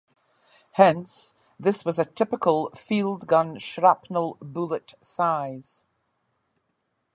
Hence this was a typical field gun shrapnel bullet size.